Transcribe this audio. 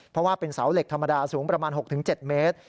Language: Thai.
เพราะว่าเป็นเสาเหล็กธรรมดาสูงประมาณ๖๗เมตร